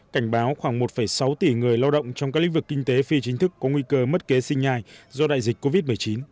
cảnh báo khoảng một sáu tỷ người lao động trong các lĩnh vực kinh tế phi chính thức có nguy cơ mất kế sinh nhai do đại dịch covid một mươi chín